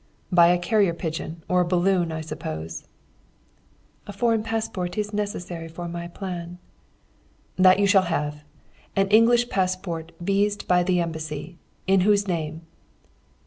"'By a carrier pigeon or a balloon, I suppose?' "'A foreign passport is necessary for my plan.' "'That you shall have an English passport viséd by the Embassy. In whose name?'